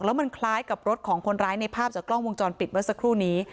แล้วมันคล้ายกับรถของคนร้ายในภาพจากกล้องวงจรปิดเมื่อสักครู่นี้